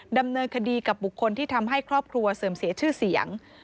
ดำเนินคดีกับบุคคลที่ทำให้ครอบครัวเสื่อมเสียชื่อเสียง